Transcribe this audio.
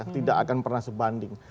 tidak akan pernah sebanding